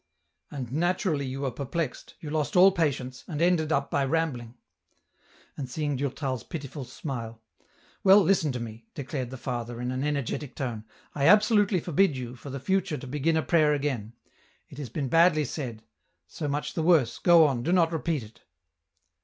" And naturally you were perplexed, you lost all patience, and ended up by rambling." And seeing Durtal's pitiful smile, "Well, listen to me," declared the father, in an energetic tone, " I absolutely forbid you for the future to begin a prayer again ; it has been badly said ; so much the worse, go on, do not repeat it.